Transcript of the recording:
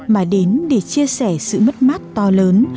mà đến để chia sẻ sự mất mát to lớn